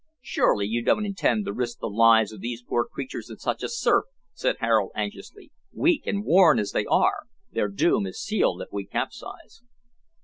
"Surely you don't intend to risk the lives of these poor creatures in such a surf?" said Harold anxiously; "weak and worn as they are, their doom is sealed if we capsize."